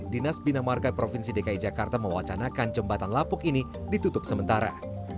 dinas bina marga provinsi dki jakarta mewacanakan jembatan lapuk ini ditutup sementara